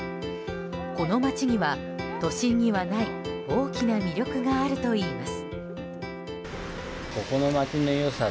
この街には、都心にはない大きな魅力があるといいます。